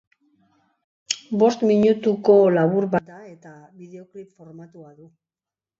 Bost minutuko labur bat da, eta bideoklip formatua du.